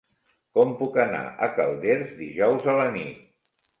Com puc anar a Calders dijous a la nit?